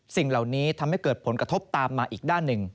สิ่งเหล่านี้ทำให้เกิดผลกระทบตามมาอีกด้านหนึ่ง